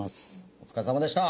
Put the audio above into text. お疲れさまでした！